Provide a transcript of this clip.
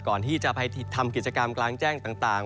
ก่อนที่จะไปทำกิจกรรมกลางแจ้งต่าง